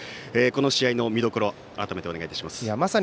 この試合の見どころ改めてお願いします。